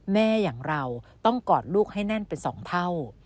อย่างเราต้องกอดลูกให้แน่นเป็น๒เท่า